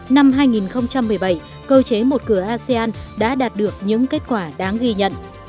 năm hai nghìn một mươi bảy cơ chế một cửa asean đã đạt được những kết quả đáng ghi nhận